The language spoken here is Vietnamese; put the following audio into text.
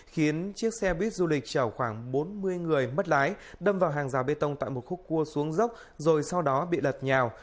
khiến chiếc xe buýt du lịch chở khoảng bốn mươi người mất lái đâm vào hàng rào bê tông tại một khúc cua xuống dốc rồi sau đó bị lật nhào